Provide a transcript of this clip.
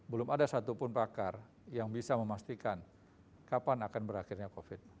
belum ada satupun pakar yang bisa memastikan kapan akan berakhirnya covid